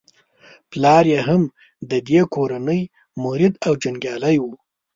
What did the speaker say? پلار یې هم د دې کورنۍ مرید او جنګیالی وو.